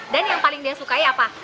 dan yang paling dia sukai apa